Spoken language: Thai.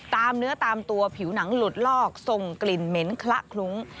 เนื้อตามตัวผิวหนังหลุดลอกส่งกลิ่นเหม็นคละคลุ้ง